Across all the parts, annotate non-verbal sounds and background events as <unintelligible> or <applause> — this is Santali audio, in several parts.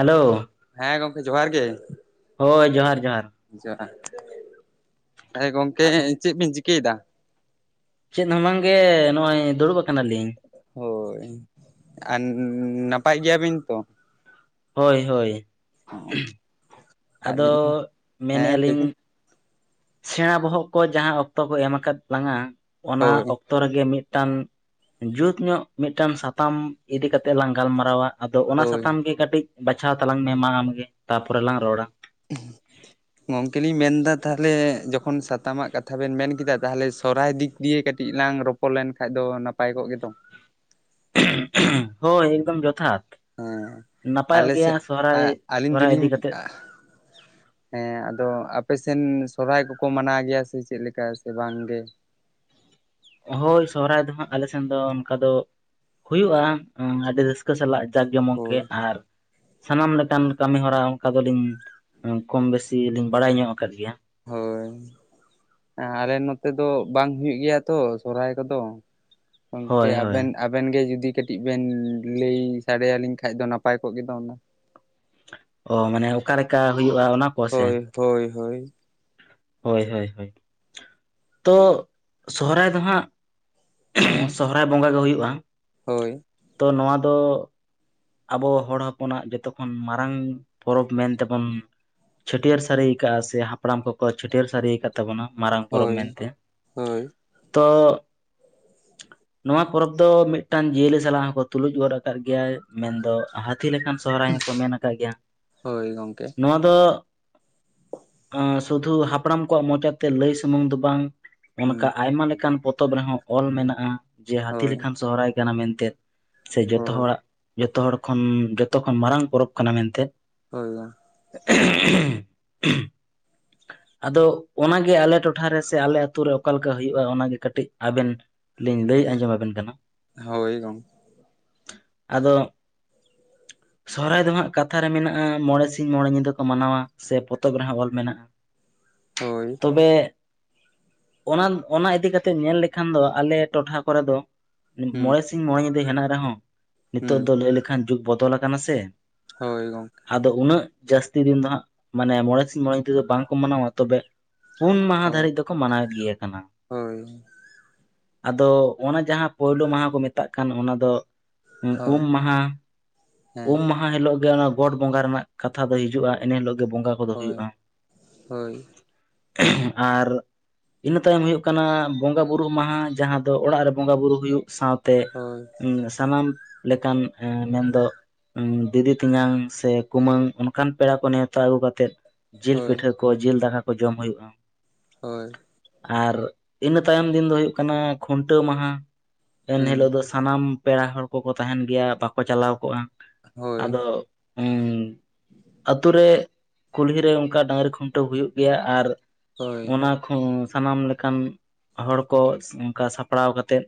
ᱦᱮᱞᱳ ᱾ ᱦᱮᱸ ᱜᱚᱢᱠᱮ ᱡᱚᱦᱟᱨ ᱜᱮ ᱾ ᱦᱳᱭ ᱡᱚᱦᱟᱨ ᱡᱚᱦᱟᱨ ᱡᱚᱦᱟᱨ, ᱦᱮᱸ ᱜᱚᱝᱠᱮ ᱪᱮᱫ ᱵᱤᱱ ᱪᱤᱠᱟᱹᱭᱮᱫᱟ? ᱪᱮᱫ ᱦᱚᱸ ᱵᱟᱝ ᱜᱮ ᱱᱚᱜ-ᱚᱭ ᱫᱩᱲᱩᱵ ᱠᱟᱱᱟᱞᱤᱧ ᱾ ᱦᱳᱭ ᱟᱨ ᱱᱟᱯᱟᱭ ᱜᱮᱭᱟᱵᱤᱱ ᱛᱚ? ᱦᱳᱭ ᱦᱳᱭ <unintelligible> ᱟᱫᱚ ᱟᱹᱞᱤᱧ, ᱦᱮᱸ ᱢᱮᱱᱮᱫᱼᱟ ᱞᱤᱧ ᱞᱟᱹᱭᱵᱤᱱ ᱾ ᱥᱮᱬᱟ ᱵᱚᱦᱚᱜ ᱠᱚ ᱡᱟᱦᱟᱸ ᱚᱠᱛᱚ ᱠᱚ ᱮᱢ ᱟᱠᱟᱫ ᱞᱟᱝᱟ ᱚᱱᱟ ᱦᱳᱭ ᱚᱠ ᱚᱠᱛᱚ ᱨᱮᱜᱮ ᱢᱮᱫᱴᱟᱝ ᱡᱩᱛ ᱧᱚᱜ ᱢᱮᱫᱴᱟᱝ ᱥᱟᱛᱟᱢ ᱤᱫᱤ ᱠᱟᱛᱮ ᱞᱟᱝ ᱜᱟᱞᱢᱟᱨᱟᱣᱟ ᱾ ᱟᱫᱚ ᱚᱱᱟ ᱦᱳᱭ ᱥᱟᱛᱟᱢ ᱜᱮ ᱠᱟᱹᱴᱤᱡ ᱵᱟᱪᱷᱟᱣ ᱛᱟᱞᱟᱝ ᱢᱮ ᱢᱟ ᱟᱢᱜᱮ ᱛᱟᱯᱚᱨᱮ ᱞᱟᱝ ᱨᱚᱲᱟ ᱾ <unintelligible> ᱜᱚᱝᱠᱮ ᱞᱤᱧ ᱢᱮᱱᱫᱟ ᱛᱟᱦᱚᱞᱮ ᱡᱚᱠᱷᱚᱱ ᱥᱟᱛᱟᱢᱟᱜ ᱠᱟᱛᱷᱟ ᱵᱮᱱ ᱢᱮᱱ ᱠᱮᱫᱟ ᱛᱟᱦᱚᱞᱮ ᱥᱚᱨᱦᱟᱭ ᱫᱤᱠ ᱫᱤᱭᱮ ᱠᱟᱹᱴᱤᱡ ᱞᱟᱝ ᱨᱚᱯᱚᱲ ᱞᱮᱱ ᱠᱷᱟᱡ ᱫᱚ ᱱᱟᱯᱟᱭ ᱠᱚᱜ ᱜᱮᱫᱚ ᱾ <inaudible> ᱦᱳᱭ ᱮᱫᱚᱢ ᱡᱚᱛᱷᱟᱛ ᱾ ᱦᱮᱸ ᱟᱞᱮ ᱥᱮᱫ ᱟ ᱟᱹᱞᱤᱧ ᱥᱚᱦᱨᱟᱭ ᱫᱩᱞᱤᱧ ᱤᱫᱤ ᱠᱟᱛᱮᱜ ᱟ ᱦᱮᱸ ᱟᱫᱚ ᱟᱯᱮᱥᱱ ᱥᱚᱨᱦᱟᱭ ᱠᱚᱠᱚ ᱢᱟᱱᱟᱣ ᱜᱮᱭᱟ ᱥᱮ ᱪᱮᱫ ᱞᱮᱠᱟ ᱥᱮ ᱵᱟᱝ ᱜᱮ? ᱦᱳᱭ ᱥᱚᱦᱚᱨᱟᱭ ᱫᱚ ᱦᱟᱸᱜ ᱟᱞᱮᱥᱱ ᱫᱚ ᱚᱱᱠᱟ ᱫᱚ ᱦᱩᱭᱩᱜᱼᱟ ᱟᱹᱰᱤ ᱨᱟᱹᱥᱠᱟᱹ ᱥᱟᱞᱟᱜ ᱡᱟᱠ ᱡᱚᱢᱚᱠ ᱜᱮ ᱦᱳᱭ ᱟᱨ ᱥᱟᱱᱟᱢ ᱞᱮᱠᱟᱱ ᱠᱟᱹᱢᱤ ᱦᱚᱨᱟ ᱚᱱᱠᱟ ᱫᱚᱞᱤᱧ ᱠᱚᱢ ᱵᱮᱥᱤ ᱞᱤᱧ ᱵᱟᱲᱟᱭ ᱧᱚᱜ ᱟᱠᱟᱫ ᱜᱮᱭᱟ ᱾ ᱦᱳᱭ ᱾ ᱦᱮᱸ ᱟᱞᱮ ᱱᱚᱛᱮ ᱫᱚ ᱵᱟᱝ ᱦᱩᱭᱩᱜ ᱜᱮᱭᱟ ᱛᱚ ᱥᱚᱦᱨᱟᱭ ᱠᱚᱫᱚ, ᱜᱚᱝᱠᱮ ᱦᱳᱭ ᱦᱳᱭ ᱟᱵᱮᱱ ᱟᱵᱮᱱ ᱜᱮ ᱡᱩᱫᱤ ᱠᱟᱹᱴᱤᱡ ᱵᱮᱱ ᱞᱟᱹᱭ ᱥᱟᱰᱮᱭᱟᱞᱤᱧ ᱠᱷᱟᱡ ᱫᱚ ᱱᱟᱯᱟᱭ ᱠᱚᱜ ᱜᱮ ᱫᱚ ᱚᱱᱟ ᱾ ᱚ ᱢᱟᱱᱮ ᱚᱠᱟ ᱞᱮᱠᱟ ᱦᱩᱭᱩᱜᱼᱟ ᱚᱱᱟ ᱠᱚ ᱥᱮ ᱦᱳᱭ, ᱦᱳᱭ ᱦᱳᱭ᱾ ᱦᱳᱭ ᱦᱳᱭ ᱦᱳᱭ ᱛᱚ ᱥᱚᱦᱨᱟᱭ ᱫᱚ ᱦᱟᱸᱜ ᱦᱮᱸ ᱥᱚᱦᱚᱨᱟᱭ ᱵᱚᱸᱜᱟ ᱜᱮ ᱦᱩᱭᱩᱜᱼᱟ᱾ ᱦᱳᱭ᱾ ᱛᱚ ᱱᱚᱣᱟ ᱫᱚ ᱟᱵᱚ ᱦᱚᱲ ᱦᱚᱯᱚᱱᱟᱜ ᱡᱚᱛᱚ ᱠᱷᱚᱱ ᱢᱟᱨᱟᱝ ᱯᱚᱨᱚᱵᱽ ᱢᱮᱱᱛᱮᱵᱚᱱ ᱪᱷᱟᱹᱴᱭᱟᱹᱨ ᱥᱟᱹᱨᱤ ᱟᱠᱟᱜᱼᱟ ᱥᱮ ᱦᱟᱯᱲᱟᱢ ᱠᱚᱠᱚ ᱪᱷᱟᱹᱴᱭᱟᱹᱨ ᱥᱟᱹᱨᱤ ᱟᱠᱟᱫ᱾ ᱛᱟᱵᱚᱱᱟ ᱢᱟᱨᱟᱝ ᱯᱚᱨᱚᱵᱽ ᱦᱳᱭ ᱢᱮᱱᱛᱮ, ᱦᱳᱭ ᱛᱚ ᱱᱚᱣᱟ ᱯᱚᱨᱚᱵᱽ ᱫᱚ ᱢᱤᱫᱴᱟᱝ ᱡᱤᱭᱟᱹᱞᱤ ᱠᱚ ᱥᱟᱞᱟᱜ ᱦᱚᱸᱠᱚ ᱛᱩᱞᱩᱡ ᱜᱚᱫ ᱟᱠᱟᱫ ᱜᱮᱭᱟ᱾ ᱢᱮᱱᱫᱚ ᱦᱟᱹᱛᱤ ᱞᱮᱠᱟᱱ ᱥᱚᱦᱚᱨᱟᱭ ᱦᱚᱸᱠᱚ ᱢᱮᱱ ᱟᱠᱟᱜ ᱜᱮᱭᱟ, ᱦᱳᱭ ᱜᱚᱝᱠᱮ ᱱᱚᱣᱟ ᱫᱚ ᱮ ᱥᱩᱫᱷᱩ ᱦᱟᱯᱲᱟᱢ ᱠᱚᱣᱟᱜ ᱢᱚᱪᱟᱛᱮ ᱞᱟᱹᱭ ᱥᱩᱢᱩᱝ ᱫᱚ ᱵᱟᱝ ᱦᱩᱸ ᱚᱱᱠᱟ ᱟᱭᱢᱟ ᱞᱮᱠᱟᱱ ᱯᱚᱛᱚᱵ ᱨᱮᱦᱚᱸ ᱚᱞ ᱢᱮᱱᱟᱜᱼᱟ, ᱡᱮ ᱦᱟᱹᱛᱤ ᱦᱳᱭ ᱞᱮᱠᱷᱟᱱ ᱥᱚᱨᱦᱟᱭ ᱠᱟᱱᱟ ᱢᱮᱱᱛᱮ᱾ ᱥᱮ ᱡᱚᱛᱚ ᱦᱳᱭ ᱦᱚᱲᱟᱜ ᱡᱚᱛᱚ ᱦᱚᱲ ᱠᱷᱚᱱ ᱡᱚᱛᱚ ᱠᱷᱚᱱ ᱢᱟᱨᱟᱝ ᱯᱚᱨᱚᱵᱽ ᱠᱟᱱᱟ ᱢᱮᱱᱛᱮ, ᱦᱳᱭᱟ <inaudible> ᱟᱫᱚ ᱚᱱᱟᱜᱮ ᱟᱞᱮ ᱴᱚᱴᱷᱟᱨᱮ ᱥᱮ ᱟᱞᱮ ᱟᱛᱳ ᱨᱮ ᱚᱠᱟᱞᱮᱠᱟ ᱦᱩᱭᱩᱜᱼᱟ ᱚᱱᱟᱜᱮ ᱠᱟᱹᱴᱤᱡ ᱟᱵᱮᱱ ᱞᱤᱧ ᱞᱟᱹᱭ ᱟᱸᱡᱚᱢ ᱟᱵᱮᱱ ᱠᱟᱱᱟ᱾ ᱦᱳᱭ ᱜᱚᱢᱠᱮ ᱟᱫᱚ, ᱥᱚᱦᱚᱨᱟᱭ ᱫᱚ ᱦᱟᱸᱜ ᱠᱟᱛᱷᱟ ᱨᱮ ᱢᱮᱱᱟᱜᱼᱟ ᱢᱚᱬᱮ ᱥᱤᱧ ᱢᱚᱬᱮ ᱧᱤᱫᱟᱹ ᱠᱚ ᱢᱟᱱᱟᱣᱟ᱾ ᱥᱮ ᱯᱚᱛᱚᱵ ᱨᱮᱦᱚᱸ ᱚᱞ ᱢᱮᱱᱟᱜᱼᱟ᱾ ᱦᱳᱭ᱾ ᱛᱚᱵᱮ, ᱚᱱᱟ ᱚᱱᱟ ᱤᱫᱤ ᱠᱟᱛᱮ ᱧᱮᱞ ᱞᱮᱠᱷᱟᱱ ᱫᱚ ᱟᱞᱮ ᱴᱚᱴᱷᱟ ᱠᱚᱨᱮ ᱫᱚ ᱦᱩᱸ ᱢᱚᱬᱮ ᱥᱤᱧ ᱢᱚᱬᱮ ᱧᱤᱫᱟᱹ ᱦᱮᱱᱟᱜ ᱨᱮᱦᱚᱸ, ᱦᱩᱸ ᱱᱤᱛᱚᱜ ᱫᱚ ᱞᱟᱹᱭ ᱞᱮᱠᱷᱟᱱ ᱡᱩᱜ ᱵᱚᱫᱚᱞ ᱟᱠᱟᱱᱟ ᱥᱮ᱾ ᱦᱳᱭ ᱜᱚᱝᱠᱮ᱾ ᱟᱫᱚ ᱩᱱᱟᱹᱜ ᱡᱟᱹᱥᱛᱤ ᱫᱤᱱ ᱫᱚ ᱦᱟᱸᱜ, ᱢᱟᱱᱮ ᱢᱚᱬᱮ ᱥᱤᱸᱧ ᱢᱚᱬᱮ ᱧᱤᱫᱟᱹ ᱫᱚ ᱵᱟᱝᱠᱚ ᱢᱟᱱᱟᱣᱟ ᱛᱚᱵᱮ ᱯᱩᱱ ᱢᱟᱦᱟ ᱦᱳᱭ ᱫᱷᱟᱹᱨᱤᱡ ᱫᱚᱠᱚ ᱢᱟᱱᱟᱣᱮᱫ ᱜᱮᱭᱟ ᱠᱟᱱᱟ᱾ ᱦᱳᱭ ᱟᱫᱚ ᱚᱱᱟ ᱡᱟᱸᱦᱟᱸ ᱯᱳᱭᱞᱳ ᱢᱟᱦᱟ ᱠᱚ ᱢᱮᱛᱟᱜ ᱠᱟᱱ, ᱚᱱᱟ ᱫᱚ ᱦᱳᱭ ᱩᱢ ᱢᱟᱦᱟ, ᱦᱮᱸ ᱩᱢ ᱢᱟᱦᱟ ᱦᱤᱞᱳᱜ ᱜᱮ ᱚᱱᱟ ᱜᱚᱴ ᱵᱚᱸᱜᱟ ᱨᱮᱱᱟᱜ ᱠᱟᱛᱷᱟ ᱫᱚ ᱦᱤᱡᱩᱜᱼᱟ, ᱮᱱᱮ ᱦᱤᱞᱳᱜ ᱜᱮ ᱵᱚᱸᱜᱟ ᱠᱚᱫᱚ ᱦᱳᱭ ᱦᱩᱭᱩᱜᱼᱟ᱾ ᱦᱳᱭ <inaudible> ᱟᱨ ᱤᱱᱟᱹ ᱛᱟᱭᱚᱢ ᱦᱩᱭᱩᱜ ᱠᱟᱱᱟ, ᱵᱚᱸᱜᱟ ᱵᱩᱨᱩ ᱢᱟᱦᱟ ᱡᱟᱸᱦᱟᱸ ᱫᱚ ᱚᱲᱟᱜ ᱨᱮ ᱵᱚᱸᱜᱟ ᱵᱩᱨᱩ ᱦᱩᱭᱩᱜ ᱥᱟᱶ ᱛᱮ ᱦᱳᱭ ᱥᱟᱱᱟᱢ ᱞᱮᱠᱟᱱ ᱮ ᱢᱮᱱᱫᱚ ᱫᱤᱫᱤ ᱛᱮᱧᱟᱝ ᱥᱮ ᱠᱩᱢᱟᱹᱝ ᱚᱱᱠᱟᱱ ᱯᱮᱲᱟ ᱠᱚ ᱱᱮᱣᱛᱟ ᱟᱹᱜᱩ ᱠᱟᱛᱮᱜ ᱡᱤᱞ ᱦᱳᱭ ᱯᱤᱴᱷᱟᱹ ᱠᱚ, ᱡᱤᱞ ᱫᱟᱠᱟ ᱠᱚ ᱡᱚᱢ ᱦᱩᱭᱩᱜᱼᱟ᱾ ᱦᱳᱭ᱾ ᱟᱨ ᱤᱱᱟᱹ ᱛᱟᱭᱚᱢ ᱫᱤᱱ ᱫᱚ ᱦᱩᱭᱩᱜ ᱠᱟᱱᱟ ᱠᱷᱩᱱᱴᱟᱹᱣ ᱢᱟᱦᱟ, ᱮᱱ ᱦᱩᱸ ᱦᱤᱞᱳᱜ ᱫᱚ ᱥᱟᱱᱟᱢ ᱯᱮᱲᱟ ᱦᱚᱲ ᱠᱚᱠᱚ ᱛᱟᱦᱮᱱ ᱜᱮᱭᱟ ᱵᱟᱠᱚ ᱪᱟᱞᱟᱣ ᱠᱚᱜᱼᱟ, ᱦᱳᱭ ᱟᱫᱚ <inaudible> ᱟᱛᱳ ᱨᱮ ᱠᱩᱞᱦᱤ ᱨᱮ ᱚᱱᱠᱟ ᱰᱟᱹᱝᱨᱤ ᱠᱷᱩᱱᱴᱟᱹᱣ ᱦᱩᱭᱩᱜ ᱜᱮᱭᱟ ᱟᱨ ᱦᱳᱭ ᱚᱱᱟ ᱦᱚᱸ ᱥᱟᱱᱟᱢ ᱞᱮᱠᱟᱱ ᱦᱚᱲ ᱠᱚ <inaudible> ᱚᱱᱠᱟ ᱥᱟᱯᱲᱟᱣ ᱠᱟᱛᱮᱫ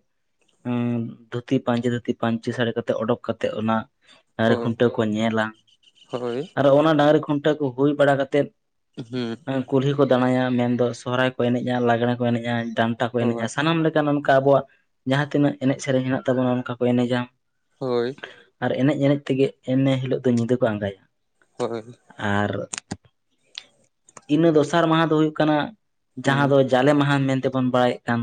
ᱦᱩᱸ ᱫᱷᱩᱛᱤ ᱯᱟᱧᱪᱤ ᱫᱷᱩᱛᱤ ᱯᱟᱹᱧᱪᱤ ᱥᱟᱹᱲᱤ ᱠᱟᱛᱮ ᱚᱰᱳᱠ ᱠᱟᱛᱮᱜ ᱚᱱᱟ ᱰᱟᱝᱨᱤ ᱦᱳᱭ ᱠᱷᱩᱱᱴᱟᱹᱣ ᱠᱚ ᱧᱮᱞᱟ᱾ ᱦᱳᱭ ᱟᱨᱦᱚ ᱚᱱᱟ ᱰᱟᱝᱨᱤ ᱠᱷᱩᱱᱴᱟᱹᱭ ᱠᱚ ᱦᱩᱭ ᱵᱟᱲᱟ ᱠᱟᱛᱮᱫ ᱦᱩᱸ ᱦᱮᱸ ᱠᱩᱞᱦᱤ ᱠᱚ ᱫᱟᱬᱟᱭᱟ ᱢᱮᱱᱫᱚ ᱥᱚᱦᱚᱨᱟᱭ ᱠᱚ ᱮᱱᱮᱡᱼᱟ ᱞᱟᱜᱽᱬᱮᱸ ᱠᱚ ᱮᱱᱮᱡᱼᱟ, ᱰᱟᱸᱱᱴᱟ ᱠᱚ ᱮᱱᱮᱡᱟ ᱦᱳᱭ ᱥᱟᱱᱟᱢ ᱞᱮᱠᱟᱱ ᱚᱝᱠᱟ ᱟᱵᱟᱭᱟᱜ ᱡᱟᱦᱟᱸ ᱛᱤᱱᱟᱹᱜ ᱮᱱᱮᱡ ᱥᱮᱨᱮᱧ ᱦᱮᱸᱱᱟᱜ ᱛᱟᱵᱚᱱᱟ ᱚᱱᱠᱟ ᱠᱚ ᱮᱱᱮᱡᱟ᱾ ᱦᱳᱭ ᱟᱨ ᱮᱱᱮᱡ ᱮᱱᱮᱡ ᱛᱮᱜᱮᱸ ᱮᱱᱮ ᱦᱤᱞᱳᱜ ᱫᱚ ᱧᱤᱫᱟᱹ ᱠᱚ ᱟᱸᱜᱟᱭᱟ᱾ ᱦᱳᱭ᱾ ᱟᱨ ᱤᱱᱟᱹ ᱫᱚᱥᱟᱨ ᱢᱟᱦᱟ ᱫᱚ ᱦᱩᱭᱩᱜ ᱠᱟᱱᱟ, ᱡᱟᱦᱟᱸ ᱦᱩᱸ ᱫᱚ ᱡᱟᱞᱮ ᱢᱟᱦᱟ ᱢᱮᱱᱛᱮᱵᱚᱱ ᱵᱟᱲᱟᱭᱮᱜ ᱠᱟᱱ᱾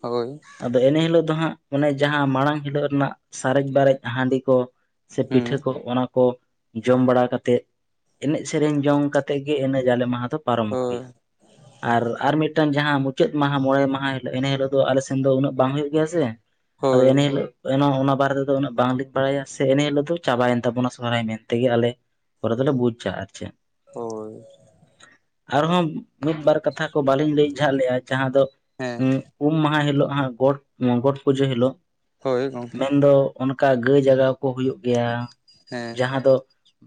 ᱦᱳᱭ᱾ ᱟᱫᱚ ᱮᱱᱮ ᱦᱤᱞᱳᱜ ᱫᱚ ᱦᱟᱸᱜ ᱚᱱᱮ ᱡᱟᱦᱟᱸ ᱢᱟᱲᱟᱝ ᱦᱤᱞᱳᱜ ᱨᱮᱱᱟᱜ ᱥᱟᱨᱮᱡ ᱵᱟᱨᱮᱡ ᱦᱟᱺᱰᱤ ᱠᱚ ᱥᱮ ᱦᱩᱸ ᱯᱤᱴᱷᱟᱹ ᱠᱚ ᱚᱱᱟ ᱠᱚ ᱡᱚᱢ ᱵᱟᱲᱟ ᱠᱟᱛᱮᱜ ᱮᱱᱮᱡ-ᱥᱮᱨᱮᱧ ᱡᱚᱝ ᱠᱟᱛᱮ ᱜᱮ, ᱮᱱᱮᱡ ᱡᱟᱞᱮᱹ ᱢᱟᱦᱟ ᱫᱚ ᱯᱟᱨᱚᱢᱚᱜ ᱦᱳᱭ ᱜᱮᱭᱟ ᱟᱨ, ᱟᱨ ᱢᱤᱫ ᱢᱤᱫᱴᱟᱝ ᱡᱟᱦᱟᱸ ᱢᱩᱪᱟᱹᱫ ᱢᱟᱦᱟ ᱢᱚᱬᱮ ᱢᱟᱦᱟᱸ ᱦᱤᱞᱳᱜ ᱤᱱᱟᱹ ᱦᱤᱞᱳᱜ ᱫᱚ ᱟᱞᱮ ᱥᱮᱱ ᱫᱚ ᱩᱱᱟᱹᱜ ᱵᱟᱝ ᱦᱩᱭᱩᱜ ᱜᱮᱭᱟ ᱥᱮ᱾ ᱟᱫᱚ ᱦᱳᱭ ᱮᱱᱮ ᱦᱤᱞᱳᱜ, ᱚᱱᱟ ᱵᱟᱨᱮ ᱛᱮᱫᱚ ᱩᱱᱟᱹᱜ ᱵᱟᱝ <unintelligible> ᱵᱟᱲᱟᱭᱟ ᱥᱮ ᱤᱱᱮ ᱦᱤᱞᱳᱜ ᱫᱚ ᱪᱟᱵᱟᱭᱮᱱ ᱛᱟᱵᱚᱱᱟ ᱥᱚᱦᱨᱟᱭ ᱢᱮᱱᱛᱮᱜᱮ ᱟᱞᱮ ᱠᱚᱨᱮ ᱫᱚᱞᱮ ᱵᱩᱡᱟ ᱟᱨ ᱪᱮᱫ᱾ ᱦᱳᱭ᱾ ᱟᱨᱦᱚᱸ ᱢᱤᱫᱵᱟᱨ ᱠᱟᱛᱷᱟ ᱠᱚ ᱵᱟᱞᱤᱧ ᱞᱟᱹᱭ ᱡᱷᱟᱜ ᱞᱮᱜᱼᱟ ᱡᱟᱦᱟᱸ ᱫᱚ ᱦᱮᱸ ᱩᱢ ᱢᱟᱦᱟᱸ ᱦᱤᱞᱳᱜ ᱦᱟᱸᱜ ᱜᱚᱴ, ᱜᱚᱴ ᱯᱩᱡᱟᱹ ᱦᱤᱞᱳᱜ ᱦᱳᱭ ᱜᱚᱝᱠᱮ ᱢᱮᱱ ᱫᱚ ᱚᱱᱠᱟ ᱜᱟᱹᱭ ᱡᱟᱜᱟᱣ ᱠᱚ ᱦᱩᱭᱩᱜ ᱜᱮᱭᱟ᱾ ᱦᱮᱸ ᱡᱟᱦᱟᱸ ᱫᱚ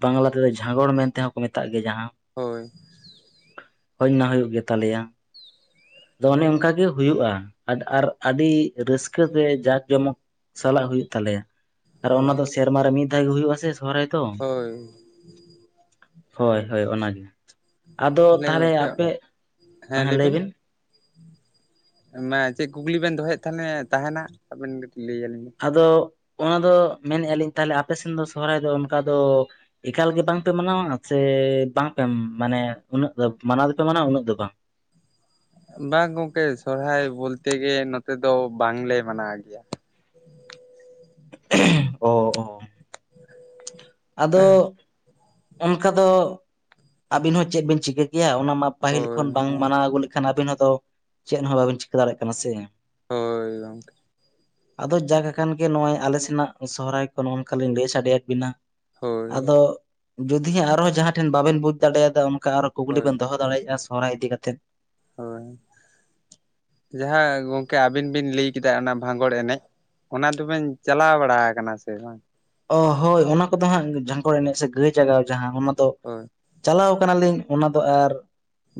ᱵᱟᱝᱞᱟ ᱛᱮᱫᱚ ᱡᱷᱟᱸᱜᱚᱲ ᱢᱮᱱ ᱛᱮ ᱦᱚᱸ ᱠᱚ ᱢᱮᱛᱟᱜ ᱜᱮᱭᱟ ᱡᱟᱦᱟᱸ᱾ ᱦᱳᱭ᱾ ᱦᱩᱭ ᱚᱱᱟ ᱦᱩᱭᱩᱜ ᱜᱮ ᱛᱟᱞᱮᱭᱟ ᱫᱚ ᱚᱱᱮ ᱚᱱᱠᱟᱜ ᱜᱮ ᱦᱩᱭᱩᱜᱼᱟ᱾ ᱟᱫ ᱟᱨ ᱟᱹᱰᱤ ᱨᱟᱹᱥᱠᱟᱹᱛᱮ ᱡᱟᱠ ᱡᱚᱢᱚᱠ ᱥᱟᱞᱟᱜ ᱦᱩᱭᱩᱜ ᱛᱟᱞᱮᱭᱟ, ᱟᱨ ᱦᱳᱭ ᱚᱱᱟ ᱫᱚ ᱥᱮᱨᱢᱟᱨ ᱨᱮ ᱢᱤᱫ ᱫᱷᱟᱣ ᱜᱮ ᱦᱩᱭᱩᱜ ᱟᱥᱮ ᱥᱚᱨᱦᱟᱭ ᱫᱚ, ᱦᱳᱭ ᱦᱳᱭ ᱦᱳᱭ ᱚᱱᱟᱜᱮ, ᱟᱫᱚ ᱛᱟᱦᱚᱞᱮ ᱛᱟᱦᱞᱮ ᱜᱚᱝᱠᱮ ᱟᱯᱮ ᱦᱮᱸ ᱞᱟᱹᱭ ᱵᱤᱱ ᱞᱟᱹᱭᱵᱤᱱ᱾ ᱢᱟ ᱪᱮᱫ ᱠᱩᱠᱞᱤ ᱵᱮᱱ ᱫᱚᱦᱚᱭᱮᱫ ᱛᱟᱦᱮ ᱛᱟᱦᱮᱸᱱᱟ ᱟᱵᱮᱱ ᱜᱮ ᱞᱟᱹᱭ ᱟᱞᱤᱧ ᱵᱤᱱ᱾ ᱟᱫᱚ ᱚᱱᱟᱫᱚ ᱢᱮᱱ ᱟᱞᱤᱧ ᱛᱟᱦᱞᱮ ᱟᱯᱮ ᱥᱮᱱ ᱫᱚ ᱥᱚᱦᱚᱨᱟᱭ ᱫᱚ ᱚᱱᱠᱟ ᱫᱚ ᱮᱠᱟᱞ ᱜᱮ ᱵᱟᱝᱯᱮ ᱢᱟᱱᱟᱣᱟ, ᱥᱮ ᱵᱟᱝ ᱯᱮ ᱢᱟᱱᱮ ᱩᱱᱟᱹᱜ ᱫᱚ ᱢᱟᱱᱟᱣ ᱫᱚᱯᱮ ᱢᱟᱱᱟᱣᱟ ᱩᱱᱟᱹᱜ ᱫᱚ ᱵᱟᱝ? ᱵᱟᱝ ᱜᱚᱝᱠᱮ ᱥᱚᱨᱦᱥᱟᱭ ᱵᱚᱞᱛᱮ ᱜᱮ ᱱᱚᱛᱮ ᱫᱚ ᱵᱟᱝᱞᱮ ᱢᱟᱱᱟᱣ ᱜᱮᱭᱟ᱾ ᱚ ᱚ᱾ ᱟᱫᱚ ᱚᱱᱠᱟ ᱫᱚ ᱟᱹᱵᱤᱱ ᱦᱚᱸ ᱪᱮᱫ ᱵᱤᱱ ᱪᱤᱠᱟᱹ ᱠᱮᱭᱟ ᱚᱱᱟ ᱢᱟ ᱯᱟᱹᱦᱤᱞ ᱦᱳᱭ ᱠᱷᱚᱱ ᱵᱟᱝ ᱦᱳᱭ ᱢᱟᱱᱟᱣ ᱟᱹᱜᱩ ᱞᱮᱠᱷᱟᱱ ᱟᱵᱤᱱ ᱦᱚᱸᱛᱚ ᱪᱮᱫ ᱦᱚᱸ ᱵᱟᱵᱤᱱ ᱪᱤᱠᱟᱹ ᱫᱟᱲᱮᱭᱟᱜ ᱠᱟᱱᱟ ᱥᱮ᱾ ᱦᱳᱭ ᱜᱚᱝᱠᱮ᱾ ᱟᱫᱚ ᱡᱟᱠ ᱟᱠᱟᱱ ᱜᱮ ᱱᱚᱜ-ᱚᱭ ᱟᱞᱮ ᱥᱮᱱᱟᱜ ᱥᱚᱦᱨᱟᱭ ᱠᱚ ᱱᱚᱜ-ᱚᱱᱠᱟ ᱞᱤᱧ ᱞᱟᱹᱭ ᱥᱟᱰᱮᱭᱟᱜ ᱵᱤᱱᱟ᱾ ᱦᱳᱭ ᱟᱫᱚ ᱡᱩᱫᱤ ᱦᱟᱸᱜ ᱟᱨᱦᱚᱸ ᱡᱟᱦᱟᱸ ᱴᱷᱮᱱ ᱵᱟᱵᱮᱱ ᱵᱩᱡ ᱫᱟᱲᱮᱭᱟᱫᱟ ᱚᱱᱠᱟ ᱟᱨᱚ ᱠᱩᱠᱞᱤ ᱦᱳᱭ ᱵᱮᱱ ᱫᱚᱦᱚ ᱫᱟᱲᱮᱭᱟᱜᱼᱟ ᱥᱚᱦᱨᱟᱭ ᱤᱫᱤ ᱠᱟᱛᱮᱫ ᱦᱳᱭ, ᱡᱟᱦᱟᱸ ᱜᱚᱝᱠᱮ ᱟᱵᱤᱱ ᱵᱤᱱ ᱞᱟᱹᱭ ᱠᱮᱫᱟ ᱚᱱᱟ ᱵᱷᱟᱸᱜᱚᱲ ᱮᱱᱮᱡ ᱚᱱᱟ ᱫᱚᱵᱮᱱ ᱪᱟᱞᱟᱣ ᱵᱟᱲᱟ ᱠᱟᱱᱟ ᱥᱮ ᱵᱟᱝ? ᱚ ᱦᱳᱭ ᱚᱱᱟ ᱠᱚᱫᱚ ᱦᱟᱸᱜ ᱡᱷᱟᱝᱠᱚ ᱮᱱᱮᱡ ᱥᱮ ᱜᱟᱹᱭ ᱡᱟᱜᱟᱣ ᱡᱟᱦᱟᱸ ᱚᱱᱟ ᱫᱚ ᱦᱳᱭ ᱪᱟᱞᱟᱣ ᱠᱟᱱᱟᱞᱤᱧ ᱚᱱᱟ ᱫᱚ ᱟᱨ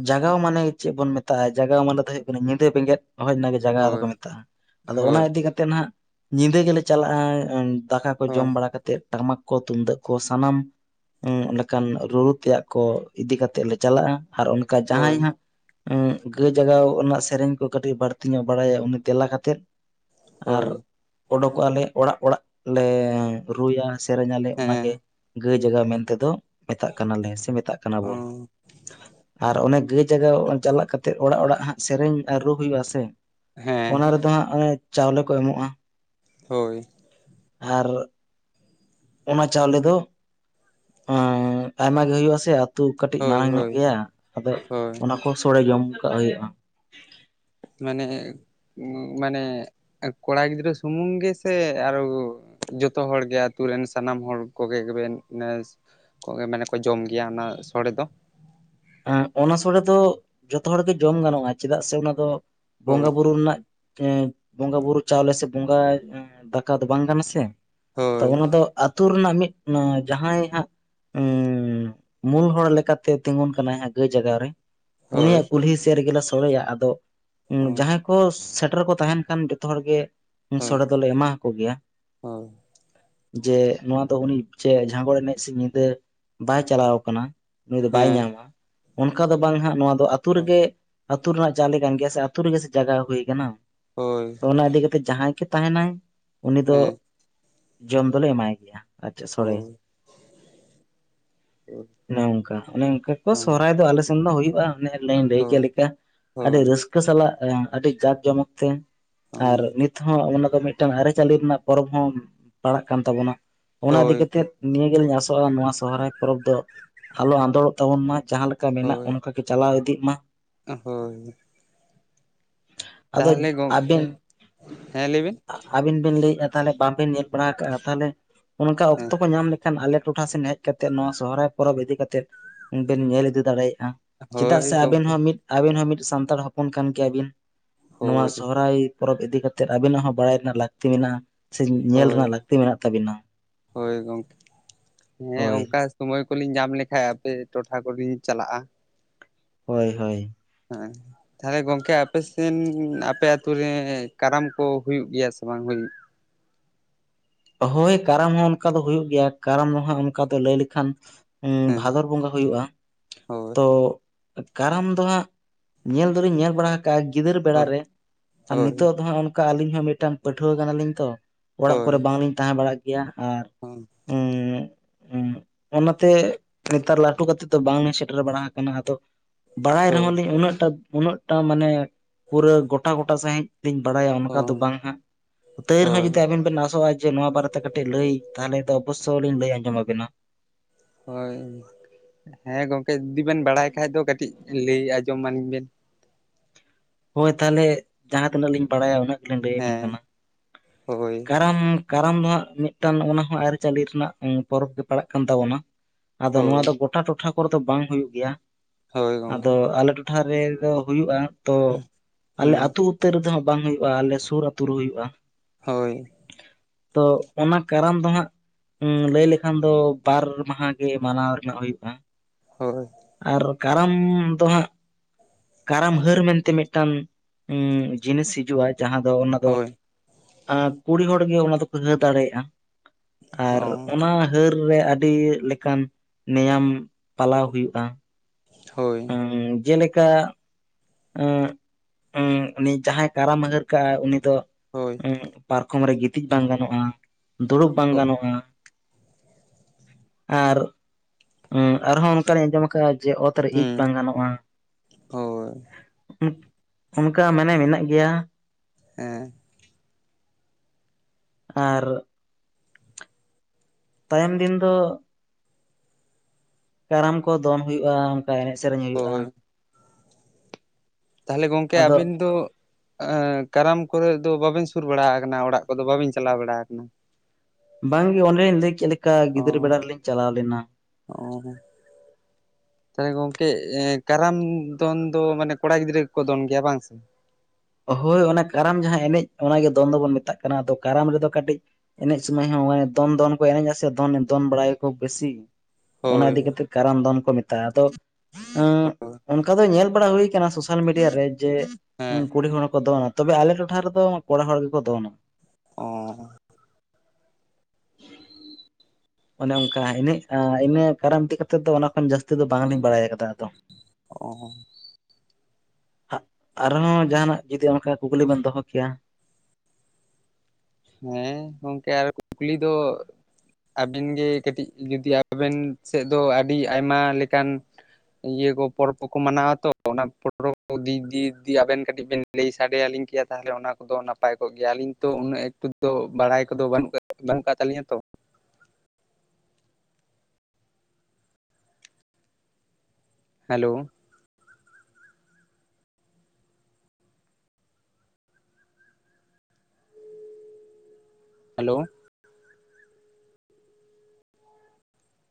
ᱡᱟᱜᱟᱣ ᱢᱟᱱᱮ ᱪᱮᱫ ᱵᱚᱱ ᱢᱮᱛᱟᱜᱼᱟ᱾ ᱡᱟᱜᱟᱣ ᱢᱟᱱᱮ ᱫᱚ ᱦᱩᱭᱩᱜ ᱠᱟᱱᱟ ᱧᱤᱫᱟᱹ ᱵᱮᱸᱜᱮᱫ ᱦᱚᱭ ᱚᱱᱟ ᱜᱮ ᱡᱟᱜᱟᱣ ᱦᱳᱭ ᱫᱚᱠᱚ ᱢᱮᱛᱟᱜᱼᱟ᱾ ᱟᱫᱚ ᱦᱳᱭ ᱚᱱᱟ ᱤᱫᱤ ᱠᱟᱛᱮᱜ ᱱᱟᱦᱟᱜ ᱧᱤᱫᱟᱹ ᱜᱮᱞᱮ ᱪᱟᱞᱟᱜᱼᱟ ᱩᱸ ᱫᱟᱠᱟ ᱠᱚ ᱡᱚᱢ ᱦᱳᱭ ᱵᱟᱲᱟ ᱠᱟᱛᱮᱫ ᱴᱟᱢᱟᱠ ᱠᱚ ᱛᱩᱢᱫᱟᱜ ᱠᱚ ᱥᱟᱱᱟᱢ ᱦᱮᱸ ᱚᱱᱠᱟᱱ ᱨᱩᱨᱩ ᱛᱮᱭᱟᱜ ᱠᱚ ᱤᱫᱤ ᱠᱟᱛᱮᱜ ᱞᱮ ᱪᱟᱞᱟᱜᱼᱟ ᱟᱨ ᱚᱱᱠᱟ ᱦᱳᱭ ᱡᱟᱦᱟᱸᱭ ᱦᱟᱸᱜ ᱩᱸᱜ ᱜᱟᱹᱭ ᱡᱟᱜᱟᱣ ᱨᱮᱱᱟᱜ ᱥᱮᱨᱮᱧ ᱠᱚ ᱠᱟᱹᱴᱤᱡ ᱵᱟᱹᱲᱛᱤ ᱧᱚᱜ ᱵᱟᱲᱟᱭᱟ ᱩᱱᱤ ᱛᱮᱞᱟ ᱠᱟᱛᱮᱫ ᱟᱨ ᱦᱳᱭ ᱳᱰᱳᱠᱚᱜᱼᱟᱞᱮ ᱚᱲᱟᱜ ᱚᱲᱟᱜ ᱞᱮ ᱨᱩᱭᱟ᱾ ᱥᱮᱨᱮᱧ ᱟᱞᱮ ᱚᱱᱟᱜᱮ ᱦᱮᱸ ᱜᱟᱹᱭ ᱡᱟᱜᱟᱣ ᱢᱮᱱᱛᱮ ᱫᱚ ᱢᱮᱛᱟᱜ ᱠᱟᱱᱟᱞᱮ ᱥᱮ ᱢᱮᱛᱟᱜ ᱠᱟᱱᱟ ᱵᱚᱱ᱾ ᱟᱨ ᱚᱱᱮ ᱜᱟᱹᱭ ᱡᱟᱜᱟᱣ ᱪᱟᱞᱟᱜ ᱠᱟᱛᱮᱜ ᱚᱲᱟᱜ ᱚᱲᱟᱜ ᱦᱟᱸᱜ ᱥᱮᱨᱮᱧ ᱨᱩ ᱦᱩᱭᱩᱜᱼᱟ ᱥᱮ, ᱦᱮᱸ ᱚᱱᱟ ᱨᱮᱫᱚ ᱦᱟᱸᱜ ᱚᱱᱮ ᱪᱟᱣᱞᱮ ᱠᱚ ᱮᱢᱚᱜᱼᱟ᱾ ᱦᱳᱭ᱾ ᱟᱨ ᱚᱱᱟ ᱪᱟᱣᱞᱮ ᱫᱚ ᱦᱟᱸ ᱟᱭᱢᱟ ᱜᱮ ᱦᱩᱭᱩᱜᱼᱟ ᱥᱮ, ᱛᱩ ᱠᱟᱹᱴᱤᱡ ᱦᱳᱭ ᱢᱟᱲᱟᱝ ᱧᱚᱜ ᱦᱳᱭ ᱜᱮᱭᱟ ᱟᱫᱚ ᱦᱳᱭ ᱚᱱᱟ ᱠᱚ ᱥᱳᱲᱮ ᱡᱚᱢ ᱠᱟᱜ ᱦᱩᱭᱩᱜᱼᱟ᱾ ᱢᱟᱱᱮ ᱢᱟᱱᱮ ᱠᱚᱲᱟ ᱜᱤᱫᱽᱨᱟᱹ ᱥᱩᱢᱩᱝ ᱜᱮᱥᱮ ᱟᱨᱚ ᱡᱚᱛᱚ ᱦᱚᱲᱜᱮ ᱟᱹᱛᱩ ᱨᱮᱱ ᱥᱟᱱᱟᱢ ᱦᱚᱲ ᱠᱚᱜᱮ ᱵᱮᱱ ᱱᱮᱥ ᱠᱚ ᱢᱟᱱᱮ ᱠᱚ ᱡᱚᱢ ᱜᱮᱭᱟ ᱚᱱᱟ ᱥᱚᱲᱮ ᱫᱚ᱾ ᱦᱮᱸ ᱚᱱᱟ ᱥᱳᱲᱮ ᱫᱚ ᱡᱷᱚᱛᱚ ᱦᱚᱲ ᱜᱮ ᱡᱚᱢ ᱜᱟᱱᱚᱜᱼᱟ ᱪᱮᱫᱟᱜ ᱥᱮ ᱚᱱᱟ ᱫᱚ ᱦᱳᱭ ᱵᱚᱸᱜᱟ ᱵᱩᱨᱩ ᱨᱮᱱᱟᱜ ᱮᱸ ᱵᱚᱸᱜᱟ ᱵᱩᱨᱩ ᱪᱟᱣᱞᱮ ᱥᱮ ᱵᱚᱸᱜᱟ ᱫᱟᱠᱟ ᱫᱚ ᱵᱟᱝ ᱠᱟᱱᱟ ᱥᱮ, ᱛᱚ ᱦᱳᱭ ᱚᱱᱟ ᱫᱚ ᱟᱛ ᱟᱹᱛᱩ ᱨᱮᱱᱟᱜ ᱢᱤᱫ ᱡᱟᱦᱟᱸᱭ ᱦᱟᱸᱜ ᱢᱩᱞ ᱦᱚᱲ ᱞᱮᱠᱟᱛᱮ ᱛᱤᱸᱜᱩᱱ ᱠᱟᱱᱟᱭ ᱦᱟᱸ ᱜᱟᱹᱭ ᱢᱟᱜᱟᱣ ᱨᱮ ᱦᱳᱭ ᱩᱱᱤᱭᱟᱜ ᱠᱩᱞᱦᱤ ᱥᱮᱫ ᱨᱮᱜᱮ ᱞᱮ ᱥᱚᱲᱮᱭᱟ, ᱟᱫᱚ ᱡᱟᱦᱟᱸ ᱠᱚ ᱥᱮᱴᱮᱨ ᱠᱚ ᱛᱟᱦᱮᱸᱱ ᱠᱷᱟᱱ ᱡᱷᱚᱛᱚ ᱦᱚᱲᱜᱮ ᱦᱳᱭ ᱥᱚᱲᱮ ᱫᱚᱞᱮ ᱮᱢᱟ ᱠᱚ ᱜᱮᱭᱟ᱾ ᱦᱳᱭ ᱡᱮ ᱱᱚᱣᱟ ᱫᱚ ᱩᱱᱤ ᱡᱮ ᱡᱟᱦᱟᱸ ᱠᱚᱨᱮ ᱮᱱᱮᱡ ᱥᱮ ᱧᱤᱫᱟᱹ ᱵᱟᱭ ᱪᱟᱞᱟᱣ ᱠᱟᱱᱟ, ᱱᱩᱭ ᱫᱚ ᱵᱟᱭ ᱦᱮᱸ ᱧᱟᱢᱟ᱾ ᱚᱱᱠᱟ ᱫᱚ ᱵᱟᱝ ᱦᱟᱸᱜ, ᱱᱚᱣᱟ ᱫᱚ ᱟᱹᱛᱩ ᱨᱮᱜᱮ ᱟᱹᱛᱩ ᱨᱮᱱᱟᱜ ᱪᱟᱣᱞᱮ ᱠᱟᱱ ᱜᱮᱭᱟ ᱥᱮ ᱟᱹᱛᱩ ᱨᱮᱜᱮ ᱥᱮ ᱡᱟᱜᱟᱣ ᱦᱩᱭ ᱠᱟᱱᱟ, ᱦᱳᱭ᱾ ᱛᱚ ᱚᱱᱟ ᱤᱫᱤ ᱠᱟᱛᱮᱜ ᱡᱟᱦᱟᱸᱭ ᱜᱮ ᱛᱟᱦᱮᱸᱱᱟᱭ ᱩᱱᱤ ᱫᱚ ᱦᱮᱸ ᱡᱚᱢ ᱫᱚᱞᱮ ᱮᱢᱟᱭ ᱜᱮᱭᱟ᱾ ᱟᱪᱪᱷᱟ ᱥᱚᱲᱮ ᱦᱳᱭ ᱦᱳᱭ ᱚᱱᱮ ᱚᱱᱠᱟ ᱚᱱᱮ ᱚᱱᱠᱟ ᱠᱚ ᱥᱚᱦᱨᱟᱭ ᱫᱚ ᱟᱞᱮ ᱥᱮᱱ ᱫᱚ ᱦᱩᱭᱩᱜᱼᱟ, ᱚᱱᱮ ᱞᱤᱧ ᱞᱟᱹᱭ ᱠᱮᱫ ᱞᱮᱠᱟ ᱟᱹᱰᱤ ᱦᱳᱭ ᱨᱟᱹᱥ ᱠᱟᱹ ᱥᱟᱞᱟᱜ ᱟᱹᱰᱤ ᱡᱟᱠ ᱡᱚᱢᱚᱠ ᱛᱮ ᱟᱨ ᱱᱤᱛ ᱦᱚᱸ ᱚᱱᱟ ᱫᱚ ᱢᱤᱫ ᱴᱟᱝ ᱟᱹᱨᱤᱪᱟᱹᱞᱤ ᱨᱮᱱᱟᱜ ᱯᱚᱨᱚᱵᱽ ᱦᱚᱸ ᱯᱟᱲᱟᱜ ᱠᱟᱱ ᱛᱟᱵᱚᱱᱟ᱾ ᱚᱱᱟ ᱤᱫᱤ ᱦᱳᱭ ᱠᱟᱛᱮᱜ ᱱᱤᱭᱟᱹ ᱜᱮᱞᱤᱧ ᱟᱥᱚᱜᱼᱟ, ᱱᱚᱣᱟ ᱥᱚᱦᱨᱟᱭ ᱯᱚᱨᱚᱵᱽ ᱫᱚ ᱟᱞᱚ ᱟᱸᱫᱚᱲᱚᱜ ᱛᱟᱵᱚᱱ ᱢᱟ᱾ ᱡᱟᱦᱟᱸ ᱞᱮᱠᱟ ᱢᱮᱱᱟᱜ ᱚᱱᱠᱟᱜᱮ ᱪᱟᱞᱟᱣ ᱤᱫᱤᱜ ᱢᱟ᱾ ᱳᱦ ᱦᱳᱭ᱾ <inaudible> ᱛᱟᱦᱚᱞᱮ ᱜᱚ-ᱠᱮ ᱦᱮᱸ ᱞᱟᱹᱭ ᱵᱤᱱ᱾ ᱟᱵᱮᱱ ᱵᱮᱱ ᱞᱟᱹᱭ ᱮᱼᱟ ᱛᱟᱦᱚᱞᱮ ᱵᱟᱝᱵᱮᱱ ᱧᱮᱞ ᱵᱟᱲᱟ ᱠᱟᱼᱟ ᱛᱟᱦᱚᱞᱮ ᱚᱱᱠᱟ ᱦᱮᱸ ᱚᱠᱛᱚ ᱠᱚ ᱧᱟᱢ ᱞᱮᱼᱼ ᱠᱷᱟᱱ ᱟᱞᱮ ᱴᱚᱴᱷᱟ ᱥᱮᱱ ᱦᱮᱡ ᱠᱟᱛᱮᱫ ᱱᱚᱣᱟ ᱥᱚᱦᱚᱨᱟᱭ ᱯᱚᱨᱚᱵᱽ ᱤᱫᱤ ᱠᱟᱛᱮᱫ ᱵᱮᱱ ᱧᱮᱞ ᱤᱫᱤ ᱫᱟᱲᱮᱭᱟᱼᱟ, ᱪᱮᱫᱟᱜ ᱦᱳᱭ ᱥᱮ ᱟᱵᱮᱱ ᱜᱚᱢᱠᱮ ᱦᱚᱸ ᱢᱤᱫ ᱟᱵᱮᱱ ᱦᱚᱸ ᱢᱤᱫ ᱥᱟᱱᱛᱟᱲ ᱦᱚᱯᱚᱱ ᱠᱟᱱ ᱜᱮᱭᱟᱵᱤᱱ ᱱᱚᱣᱟ ᱦᱳᱭ ᱥᱚᱦᱚᱨᱟᱭ ᱯᱚᱨᱚᱵᱽ ᱤᱫᱤ ᱠᱟᱛᱮ ᱟᱵᱤᱱᱟᱜ ᱦᱚᱸ ᱵᱟᱲᱟᱭ ᱨᱮᱱᱟᱜ ᱞᱟᱠ ᱛᱤ ᱢᱮᱱᱟᱼᱟ ᱥᱮ ᱧᱮ-ᱧᱮᱞ ᱨᱮᱱᱟᱜ ᱦᱳᱭ ᱞᱟᱹᱠᱛᱤ ᱢᱮᱱᱟᱜ ᱛᱟᱵᱤᱱᱟ᱾ ᱦᱳᱭ ᱜᱚᱝᱠᱮ᱾ ᱦᱮᱸ ᱚᱝᱠᱟ ᱦᱳᱭ ᱥᱚᱢᱚᱭ ᱠᱚᱞᱤᱧ ᱧᱟᱢ ᱞᱮᱠᱷᱟᱡ ᱟᱯᱮ ᱴᱚᱴᱷᱟ ᱠᱚᱞᱤᱧ ᱪᱟᱞᱟᱜᱼᱟ᱾ ᱦᱳᱭ ᱦᱳᱭ᱾ ᱦᱟᱸᱼᱟᱭ ᱛᱟᱦᱚᱞᱮ ᱜᱚᱝᱠᱮ ᱟᱯᱮ ᱥᱮᱱ ᱟᱯᱮ ᱟᱹᱛᱩ ᱨᱮ ᱠᱟᱨᱟᱢ ᱠᱚ ᱦᱩᱭᱩᱜ ᱜᱮᱭᱟ ᱥᱮ ᱵᱟᱝ ᱦᱩᱭᱩᱜ? ᱦᱳᱭ ᱠᱟᱨᱟᱢ ᱦᱚ ᱚᱱᱠᱟ ᱫᱚ ᱦᱩᱭᱩᱜ ᱜᱮᱭᱟ, ᱠᱟᱨᱟᱢ ᱫᱚ ᱦᱟᱸᱜ ᱚᱱᱠᱟ ᱫᱚ ᱞᱟᱹᱭ ᱞᱮᱠᱷᱟᱱ ᱩᱸ ᱦᱮᱸ ᱵᱷᱟᱫᱚᱨ ᱵᱚᱸᱜᱟ ᱦᱩᱭᱩᱜᱼᱟ᱾ ᱦᱳᱭ ᱛᱚ ᱠᱟᱨᱟᱢ ᱫᱚ ᱦᱟᱸᱜ ᱧᱮᱞ ᱫᱚᱞᱤᱧ ᱧᱮᱞ ᱵᱟᱲᱟ ᱠᱟ ᱜᱤᱫᱟᱹᱨ ᱵᱮᱲᱟ ᱦᱳᱭ ᱨᱮ ᱦᱳᱭ ᱟ-ᱱᱤᱛᱚᱜ ᱫᱚ ᱦᱟᱸᱜ ᱚᱱᱠᱟ ᱟᱹᱞᱤᱧ ᱦᱚᱸ ᱢᱤᱴᱟ ᱯᱟᱹᱴᱷᱩᱣᱟᱹ ᱠᱟᱱᱟᱞᱤᱧ ᱛᱚ᱾ ᱚᱲᱟᱜ ᱠᱚᱨᱮ ᱵᱟᱝᱞᱤᱧ ᱛᱟᱦᱮᱸ ᱵᱟᱲᱟᱜ ᱜᱮᱭᱟ, ᱟᱨ ᱟᱢ᱾ ᱩᱸ ᱚᱱᱟᱛᱮ ᱱᱮᱛᱟᱨ ᱞᱟᱹᱴᱩ ᱠᱟᱛᱮᱜ ᱫᱚ ᱵᱟᱝ ᱮ ᱥᱮᱴᱮᱨ ᱵᱟᱲᱟ ᱦᱟᱠᱟᱱᱟ ᱟᱫᱚ᱾ ᱵᱟᱲᱟᱭ ᱨᱮᱦᱚᱸ ᱞᱤᱧ ᱩᱱᱟᱹᱜᱴᱟ ᱩᱱᱟᱹᱜᱴᱟ ᱢᱟᱱᱮ ᱯᱩᱨᱟᱹ ᱜᱚᱴᱟ ᱜᱚᱴᱟ ᱥᱟᱦᱤᱡ ᱛᱤᱧ ᱵᱟᱲᱟᱭᱟ ᱚᱱᱠᱟ ᱫᱚ ᱦᱳᱭ ᱵᱟᱝ ᱦᱟᱸᱜ ᱛᱟᱣ ᱨᱮᱦᱚᱸ ᱦᱳᱭ ᱡᱩᱫᱤ ᱟᱵᱤᱱ ᱵᱮᱱ ᱟᱥᱚᱜᱼᱟ ᱡᱮ ᱱᱚᱣᱟ ᱵᱟᱨᱮᱛᱮ ᱠᱟᱹᱴᱤᱡ ᱞᱟᱹᱭ ᱛᱟᱦᱚᱞᱮ ᱫᱚ ᱚᱵᱚᱥᱥᱳ ᱞᱤᱧ ᱞᱟᱹᱭ ᱟᱸᱡᱚᱢ ᱟᱵᱮᱱᱟ᱾ ᱦᱳᱭ᱾ ᱦᱮᱸ ᱜᱚᱝᱠᱮ ᱩᱫᱤ ᱵᱮᱱ ᱵᱟᱲᱟᱭ ᱠᱷᱟᱡ ᱫᱚ ᱠᱟᱹᱴᱤᱡ ᱞᱟᱹᱭ ᱟᱸᱡᱚᱢ ᱟᱞᱤᱧ ᱵᱮᱱ᱾ ᱦᱳᱭ ᱛᱟᱦᱚᱞᱮ, ᱡᱟᱦᱟᱸ ᱛᱤᱱᱟᱹᱜ ᱞᱤᱧ ᱵᱟᱲᱟᱭᱟ ᱩᱱᱟᱹᱜ ᱜᱮᱞᱤᱧ ᱞᱟᱹᱭ ᱟᱵᱤᱱ ᱦᱮᱸ ᱠᱟᱱᱟ᱾ ᱦᱳᱭ ᱠᱟᱨᱚᱱ ᱠᱟᱨᱟᱢ ᱫᱚ ᱦᱟᱸᱜ ᱢᱤᱜᱴᱟᱱ ᱚᱱᱟ ᱦᱚᱸ ᱟᱹᱨᱤᱼᱪᱟᱹᱞᱤ ᱨᱮᱱᱟᱜ ᱚᱝ ᱯᱚᱨᱚᱵᱽ ᱜᱮ ᱯᱟᱲᱟᱜ ᱠᱟᱱ ᱛᱟᱵᱚᱱᱟ᱾ ᱟᱫᱚ ᱱᱚᱣᱟ ᱦᱳᱭ ᱫᱚ ᱜᱚᱴᱟ ᱴᱚᱴᱷᱟ ᱠᱚᱨᱮ ᱫᱚ ᱵᱟᱝ ᱦᱩᱭᱩᱜ ᱜᱮᱭᱟ, ᱦᱳᱭ ᱜᱚᱝᱠᱮ ᱟᱫᱚ ᱟᱞᱮ ᱴᱚ ᱴᱷᱟ ᱨᱮ ᱫᱚ ᱦᱩᱭᱩᱜᱼᱟ ᱛᱚ ᱟᱞᱮ ᱦᱩᱸ ᱟᱛᱩ ᱩᱛᱟᱹ ᱨᱮᱫᱚ ᱦᱟᱸᱜ ᱵᱟᱝ ᱦᱩᱭᱩᱜᱼᱟ, ᱟᱞᱮ ᱥᱩᱨ ᱟᱛᱩ ᱨᱮ ᱦᱩᱭᱩᱜᱼᱟ᱾ ᱦᱳᱭ᱾ ᱛᱚ ᱚᱱᱟ ᱠᱟᱨᱚᱱ ᱫᱚ ᱦᱟᱸᱜ ᱩᱢ ᱞᱟᱹᱭ ᱞᱮᱠᱷᱟᱱ ᱫᱚ ᱵᱟᱨ ᱢᱟᱦᱟ ᱜᱮ ᱢᱟᱱᱟᱣ ᱨᱮᱱᱟᱜ ᱦᱩᱭᱩᱜᱼᱟ᱾ ᱦᱳᱭ᱾ ᱟᱨ ᱠᱟᱨᱟᱢ ᱫᱚ ᱦᱟᱜ ᱠᱟᱨᱟᱢ ᱦᱟᱹᱨ ᱢᱮᱱᱛᱮ ᱢᱤᱜᱴᱟᱱ ᱩᱢ ᱡᱤᱱᱤᱥ ᱦᱤᱡᱩᱜᱼᱟ ᱡᱟᱦᱟᱸ ᱫᱚ ᱚᱱᱟ ᱫᱚ ᱦᱳᱭ ᱟ ᱠᱩᱲᱤ ᱦᱚᱲ ᱜᱮ ᱚᱱᱟ ᱫᱚᱠᱚ ᱦᱟᱹ ᱫᱟᱲᱮᱭᱟᱜᱼᱟ, ᱟᱨ ᱚ ᱚᱱᱟ ᱦᱟᱹᱨ ᱨᱮ ᱟᱹᱰᱤ ᱞᱮᱠᱟᱱ ᱱᱮᱭᱟᱢ ᱯᱟᱞᱟᱣ ᱦᱩᱭᱩᱜᱼᱟ᱾ ᱦᱳᱭ᱾ ᱩᱢ ᱡᱮᱞᱮᱠᱟ ᱩᱸ ᱩᱸ ᱩᱱᱤ ᱡᱟᱦᱟᱸᱭ ᱠᱟᱨᱟᱢ ᱦᱟᱨ ᱠᱟᱜᱼᱟ ᱩᱱᱤ ᱫᱚ ᱦᱳᱭ᱾ ᱩᱸ ᱯᱟᱨᱠᱚᱢ ᱨᱮ ᱜᱤᱛᱤᱡ ᱵᱟᱝ ᱜᱟᱱᱚᱜᱼᱟ, ᱫᱩᱲᱩᱵ ᱵᱟᱝ ᱜᱟᱱᱚᱜᱼᱟ᱾ ᱟᱨ ᱩᱸ ᱟᱨᱦᱚᱸ ᱚᱱᱠᱟ ᱞᱤᱧ ᱟᱸᱡᱚᱢ ᱟᱠᱟᱜᱼᱟ ᱡᱮ, ᱚᱛᱨᱮ ᱤᱡ ᱦᱩᱸ ᱵᱟᱝ ᱜᱟᱱᱚᱜᱼᱟ᱾ ᱦᱳᱭ ᱚᱱᱠᱟ ᱢᱟᱱᱮ ᱢᱮᱱᱟᱜ ᱜᱮᱭᱟ᱾ ᱦᱮᱸ᱾ ᱟᱨ ᱛᱟᱭᱚᱢ ᱫᱤᱱ ᱫᱚ ᱠᱟᱨᱟᱢ ᱠᱚ ᱫᱚᱱ ᱦᱩᱭᱩᱜᱼᱟ᱾ ᱮᱱᱮᱡ ᱥᱮᱨᱮᱧ ᱦᱩᱭᱩᱜᱼᱟ ᱦᱳᱭ ᱛᱟᱦᱚᱞᱮ ᱜᱚᱝᱠᱮ ᱟᱫᱚ ᱟᱵᱤᱱ ᱫᱚ ᱠᱟᱨᱟᱢ ᱠᱚᱨᱮ ᱫᱚ ᱵᱟᱵᱮᱱ ᱥᱩᱨ ᱵᱟᱲᱟ ᱟᱠᱟᱱᱟ ᱚᱲᱟᱜ ᱠᱚᱫᱚ ᱵᱟᱵᱮᱱ ᱪᱟᱞᱟᱣ ᱵᱟᱲᱟᱣ ᱠᱟᱱᱟ? ᱵᱟᱝᱜᱮ ᱚᱱᱮᱞᱤᱧ ᱞᱟᱹᱭ ᱠᱮᱫ ᱞᱮᱠᱟ ᱚ ᱜᱤᱫᱽᱨᱟᱹ ᱵᱮᱲᱟ ᱨᱮᱞᱤᱧ ᱪᱟᱞᱟᱣ ᱞᱮᱱᱟ᱾ ᱚ᱾ ᱛᱟᱦᱚᱞᱮ ᱜᱚᱝᱠᱮ ᱠᱟᱨᱟᱢ ᱫᱚᱱ ᱫᱚ ᱢᱟᱱᱮ ᱠᱚᱲᱟ ᱜᱤᱫᱽᱨᱟᱹ ᱜᱮ ᱠᱚ ᱫᱚᱱ ᱜᱮᱭᱟ ᱵᱟᱝ ᱥᱮ? ᱦᱳᱭ ᱚᱱᱟ ᱠᱟᱨᱟᱢ ᱡᱟᱦᱟᱸ ᱮᱱᱮᱡ ᱚᱱᱟᱜᱮ ᱫᱚᱱ ᱫᱚᱵᱚᱱ ᱢᱮᱛᱟᱜ ᱠᱟᱱᱟ ᱟᱫᱚ ᱠᱟᱨᱟᱢ ᱨᱮᱫᱚ ᱠᱟᱹᱴᱤᱡ ᱮᱱᱮᱡ ᱥᱢᱚᱭ ᱦᱚᱸ ᱫᱚᱱ ᱫᱚᱱ ᱠᱚ ᱮᱱᱮᱡ ᱟ ᱥᱮ ᱫᱚᱱ ᱫᱚᱱ ᱵᱟᱲᱟᱭᱟᱠᱚ ᱵᱮᱥᱤ ᱚᱱᱟ ᱦᱳᱭ ᱤᱫᱤ ᱠᱟᱛᱮ ᱠᱟᱨᱟᱢ ᱫᱚᱱ ᱠᱚ ᱢᱮᱛᱟᱜᱼᱟ ᱟᱫᱚ ᱦᱳᱭ ᱚᱱᱠᱟ ᱫᱚ ᱧᱮᱞ ᱵᱟᱲᱟ ᱦᱩᱭ ᱠᱟᱱᱟ ᱥᱳᱥᱟᱞ ᱢᱤᱰᱤᱭᱟ ᱨᱮ ᱡᱮ ᱦᱮᱸ ᱠᱩᱲᱤ ᱦᱚᱲ ᱦᱚᱠᱚ ᱫᱚᱱᱟ ᱛᱚᱵᱮ ᱟᱞᱮ ᱴᱚᱴᱷᱟ ᱨᱮᱫᱚ ᱠᱚᱲᱟ ᱦᱚᱲ ᱜᱮᱠᱚ ᱫᱚᱱᱟ᱾ ᱚᱻ ᱚᱱᱮ ᱚᱱᱠᱟ ᱤᱱᱟ ᱤᱱᱟ ᱠᱟᱨᱟᱢ ᱤᱫᱤ ᱠᱟᱛᱮ ᱫᱚ ᱚᱱᱟ ᱠᱷᱚᱱ ᱡᱟᱹᱥᱛᱤ ᱫᱚ ᱵᱟᱝᱞᱤᱧ ᱵᱟᱲᱟᱭ ᱠᱟᱫᱟ ᱟᱫᱚ᱾ ᱚ᱾ ᱟᱨᱦᱚᱸ ᱡᱟᱦᱟᱱᱟᱜ ᱡᱩᱫᱤ ᱚᱱᱠᱟ ᱠᱩᱠᱞᱤ ᱵᱮᱱ ᱫᱚᱦᱚ ᱠᱮᱭᱟ? ᱦᱮᱸ ᱜᱚᱝᱠᱮ ᱟᱨ ᱠᱩᱠᱞᱤ ᱫᱚ ᱟᱵᱮᱱ ᱜᱮ ᱠᱟᱹᱴᱤᱡ ᱡᱩᱫᱤ ᱟᱵᱮᱱ ᱥᱮᱫ ᱫᱚ ᱟᱹᱰᱤ ᱟᱭᱢᱟ ᱞᱮᱠᱟᱱ ᱤᱭᱟᱹ ᱠᱚ ᱯᱚᱨᱚᱵᱽ ᱠᱚᱠᱚ ᱢᱟᱱᱟᱣᱟ ᱛᱚ ᱚᱱᱟ ᱯᱚᱨᱚᱵᱽ ᱠᱚ ᱫᱤᱠ ᱫᱤᱭ ᱟᱵᱮᱱ ᱠᱟᱹᱴᱤᱡ ᱵᱮᱱ ᱞᱟᱹᱭ ᱥᱟᱰᱮ ᱟᱹᱞᱤᱧ ᱠᱮᱭᱟ ᱛᱟᱦᱚᱞᱮ ᱚᱱᱟ ᱠᱚᱫᱚ ᱱᱟᱯᱟᱭ ᱠᱚᱜ ᱜᱮᱭᱟ ᱟᱹᱞᱤᱧ ᱛᱚ ᱩᱱᱟᱹᱜ ᱫᱚ ᱵᱟᱲᱟᱭ ᱠᱚᱫᱚ ᱵᱟᱹᱱᱩᱜ ᱵᱟᱹᱱᱩᱜ ᱠᱟᱜ ᱛᱟᱹᱞᱤᱧᱟ ᱛᱚ᱾ Hello, hello,